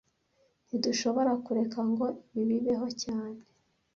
Ntidushobora kureka ngo ibi bibeho cyane